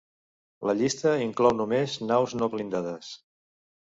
La llista inclou només naus no blindades.